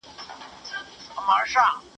- شمېره مې لکه چې غلطه کړې؟